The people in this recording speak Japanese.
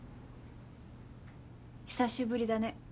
久しぶりだね。